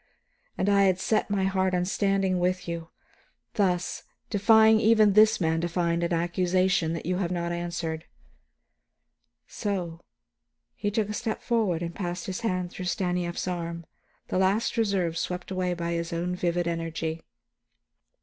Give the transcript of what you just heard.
And I had set my heart on standing with you, thus, and defying even this man to find an accusation that you have not answered. So," he took a step forward and passed his hand through Stanief's arm, the last reserve swept away by his own vivid energy.